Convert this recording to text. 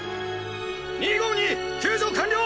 ２５２救助完了！